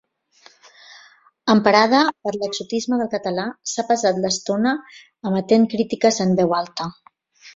Emparada per l'exotisme del català, s'ha passat l'estona emetent crítiques en veu alta.